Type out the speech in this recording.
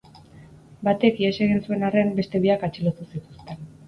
Batek ihes egin zuen arren, beste biak atxilotu zituzten.